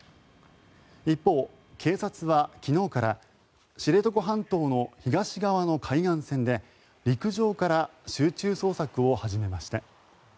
一方、警察は昨日から知床半島の東側の海岸線で陸上から集中捜索を始めました。